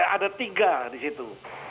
ada tiga di situ